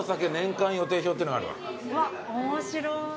うわっ面白い。